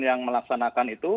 yang melaksanakan itu